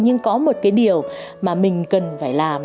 nhưng có một cái điều mà mình cần phải làm